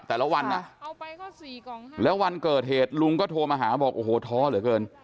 แต่ละวันอ่ะเอาไปก็สี่กล่องแล้ววันเกิดเหตุลุงก็โทรมาหาบอกโอ้โหท้อเหลือเกิน